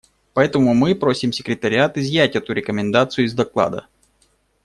Поэтому мы просим Секретариат изъять эту рекомендацию из доклада.